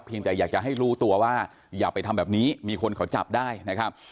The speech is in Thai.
แต่อยากจะให้รู้ตัวว่าอย่าไปทำแบบนี้มีคนเขาจับได้นะครับ